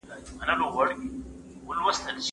ولایتي والیانو څنګه د سیمې چارې اداره کولي؟